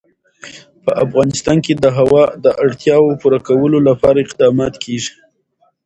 په افغانستان کې د هوا د اړتیاوو پوره کولو لپاره اقدامات کېږي.